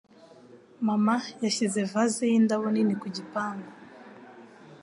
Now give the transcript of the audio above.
Mama yashyize vaze y’indabo nini ku gipangu.